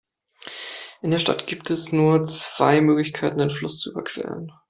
In der Stadt gibt es nur zwei Möglichkeiten, den Fluss zu überqueren.